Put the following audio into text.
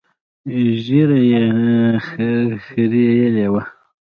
ږيره يې خرييلې وه.